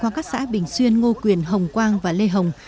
qua các xã bình xuyên ngô quyền hồng quang và lê hồng